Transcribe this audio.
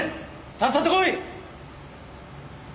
さっさと来い！